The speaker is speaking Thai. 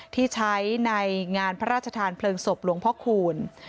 ที่ใช้ในงานพระราชทานเพลิงศพหลวงพ่อคูณ